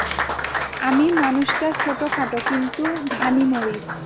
আমি মানুষটা ছোটখাটো কিন্তু ধানি মরিচ।